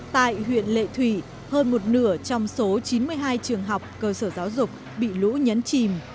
tại huyện lệ thủy hơn một nửa trong số chín mươi hai trường học cơ sở giáo dục bị lũ nhấn chìm